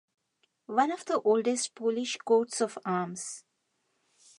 One of the oldest Polish coats of arms.